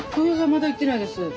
まだ行ってないです。